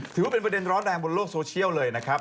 ถือว่าเป็นประเด็นร้อนแรงบนโลกโซเชียลเลยนะครับ